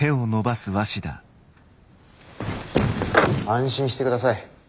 安心してください。